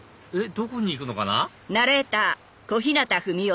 どこに行くのかな？